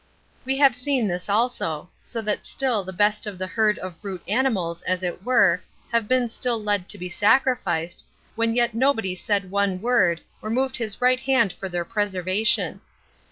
We have seen this also; so that still the best of the herd of brute animals, as it were, have been still led to be sacrificed, when yet nobody said one word, or moved his right hand for their preservation.